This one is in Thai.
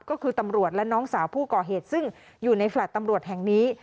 ก็คือตำรวจและน้องสาวผู้ก่อเหตุซึ่งอยู่ในแฟลต์ตำรวจแห่งนี้